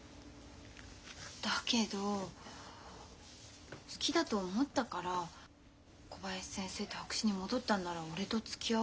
だけど好きだと思ったから小林先生と白紙に戻ったんなら俺とつきあおうって言ったんでしょう？